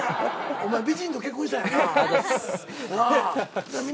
お前美人と結婚したんやな。